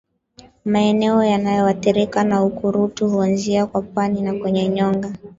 Maeneo yanayoathirika na ukurutu huanzia kwapani na kwenye nyonga